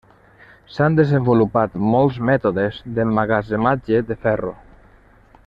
S'han desenvolupat, molts mètodes d'emmagatzematge de ferro.